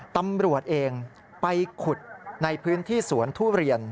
ตำรวจเองไปขุดในพื้นที่สวนทุเรียน